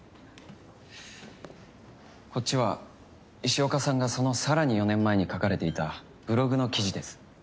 こっちは石岡さんがその更に４年前に書かれていたブログの記事です。